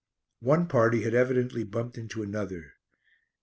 One party had evidently bumped into another.